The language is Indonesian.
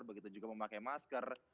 begitu juga memakai masker